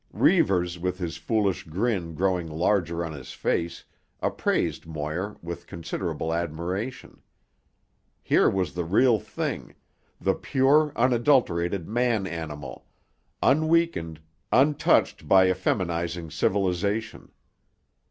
Reivers, with his foolish grin growing larger on his face, appraised Moir with considerable admiration. Here was the real thing, the pure, unadulterated man animal, unweakened, untouched by effeminising civilisation.